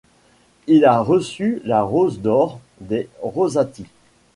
Il a reçu la Rose d'Or des Rosati.